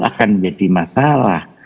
akan menjadi masalah